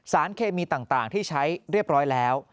สารเคมีต่างที่ใช้เรียบร้อยแล้ว